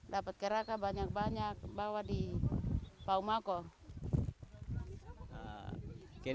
dapat keraka banyak banyak bawa di paumako